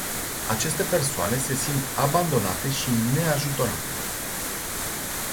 Aceste persoane se simt abandonate și neajutorate.